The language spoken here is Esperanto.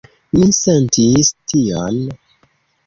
Mi sentis tion.